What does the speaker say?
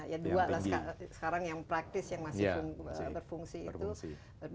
ya dua lah sekarang yang praktis yang masih berfungsi itu lebih